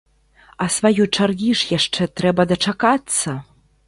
А сваёй чаргі ж яшчэ трэба дачакацца!